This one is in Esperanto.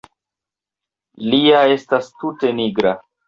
Li ja estas tute nigra!